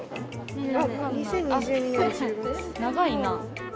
長いな。